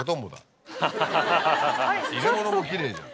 入れ物もきれいじゃん。